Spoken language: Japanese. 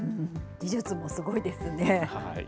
技術もすごいですね。